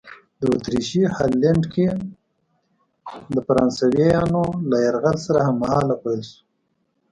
د اتریشي هالنډ کې د فرانسویانو له یرغل سره هممهاله پیل شوه.